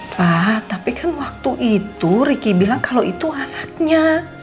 pak tapi kan waktu itu ricky bilang kalau itu anaknya